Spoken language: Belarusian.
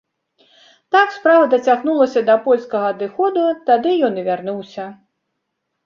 Так справа дацягнулася да польскага адыходу, тады ён і вярнуўся.